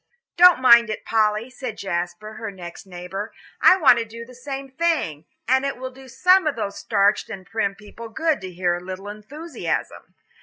"Don't mind it, Polly," said Jasper, her next neighbour, "I want to do the same thing. And it will do some of those starched and prim people good to hear a little enthusiasm."